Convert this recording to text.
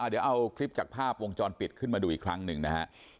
เดี๋ยวเอาคลิปจากภาพวงจรปิดขึ้นมาดูอีกครั้งหนึ่งนะฮะ